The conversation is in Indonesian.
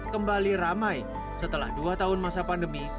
kembali ramai setelah dua tahun masa pandemi